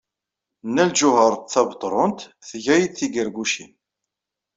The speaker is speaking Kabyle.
Nna Lǧuheṛ Tabetṛunt tga-iyi-d tigargucin.